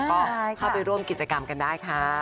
ก็เข้าไปร่วมกิจกรรมกันได้ค่ะ